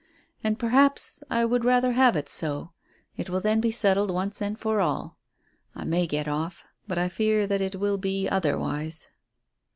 And perhaps I would rather have it so. It will then be settled once and for all. I may get off, but I fear that it will be otherwise."